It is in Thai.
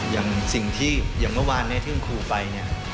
อย่างสิ่งที่อย่างเมื่อวานที่คุณครูไป